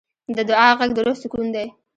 د دعا غږ د روح سکون دی.